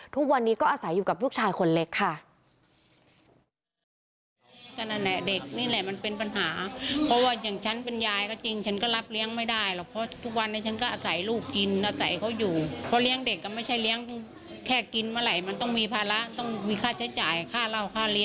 ทุกวันนี้ก็อาศัยอยู่กับลูกชายคนเล็กค่ะ